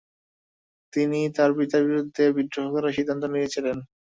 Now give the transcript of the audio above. তিনি তার পিতার বিরুদ্ধে বিদ্রোহ করার সিদ্ধান্ত নিয়েছিলেন।